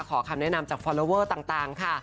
ขอคำแนะนำจากฟอลลอเวอร์ต่างค่ะ